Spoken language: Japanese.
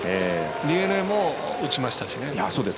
ＤｅＮＡも打ちましたし。